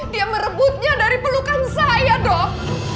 dia merebutnya dari pelukan saya dok